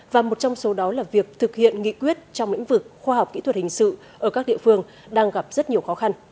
và một trong số đó là việc thực hiện nghị quyết trong lĩnh vực khoa học kỹ thuật hình sự ở các địa phương đang gặp rất nhiều khó khăn